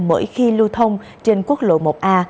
mỗi khi lưu thông trên quốc lộ một a